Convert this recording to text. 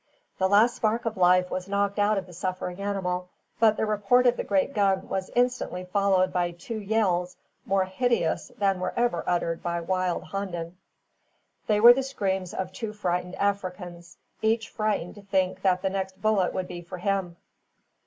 The last spark of life was knocked out of the suffering animal; but the report of the great gun was instantly followed by two yells more hideous than were ever uttered by "wild honden." They were the screams of two frightened Africans, each frightened to think that the next bullet would be for him.